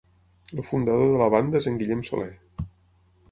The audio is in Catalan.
El fundador de la banda és en Guillem Soler.